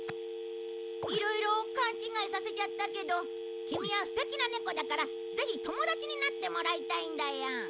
いろいろ勘違いさせちゃったけどキミは素敵な猫だからぜひ友達になってもらいたいんだよ。